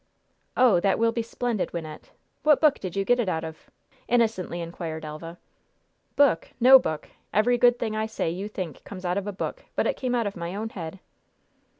'" "Oh! that will be splendid, Wynnette! What book did you get it out of?" innocently inquired Elva. "'Book?' No book! Every good thing I say you think comes out of a book; but it came out of my own head."